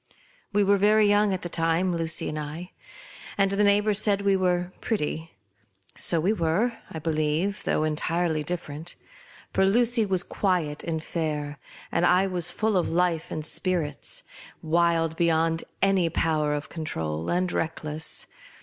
AVe were very young at the time, Lucy and I, and the neighbours said we were pretty. So we were, I believe, though entirely differ ent ; for Lucy was quiet, and fair, and I was full of life and spirits ; wild beyond any power of control, and reckless.